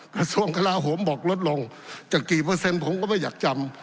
กระทรวงกลาโหมบอกลดลงจะกี่เปอร์เซ็นต์ผมก็ไม่อยากจำ